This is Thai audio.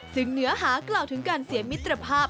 ซึ่งเนื้อหากล่าวถึงการเสียมิตรภาพ